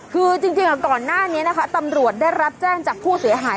คือจริงก่อนหน้านี้นะคะตำรวจได้รับแจ้งจากผู้เสียหาย